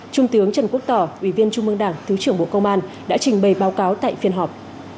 trung tướng trần quốc tỏ ủy viên trung mương đảng thứ trưởng bộ công an đã trình bày báo cáo tại phiên họp